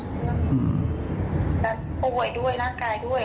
เรื่องป่วยด้วยร่างกายด้วย